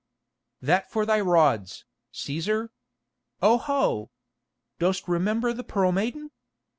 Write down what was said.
That for thy rods, Cæsar! Oho! Dost remember the Pearl Maiden?